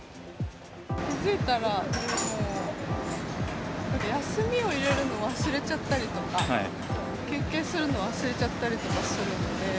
気付いたら、もう、なんか休みを入れるのを忘れちゃったりとか、休憩するのを忘れちゃったりするので。